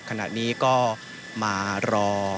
ขณะนี้ก็มารอ